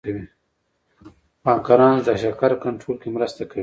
پنکراس د شکر کنټرول کې مرسته کوي